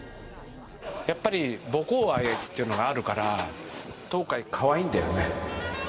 やっぱり母校愛っていうのがあるから、東海、かわいいんだよね。